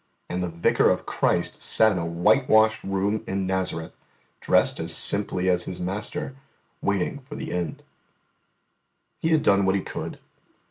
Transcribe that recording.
And the Vicar of Christ sat in a whitewashed room in Nazareth, dressed as simply as His master, waiting for the end. He had done what He could.